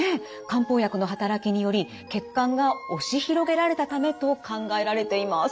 漢方薬の働きにより血管が押し広げられたためと考えられています。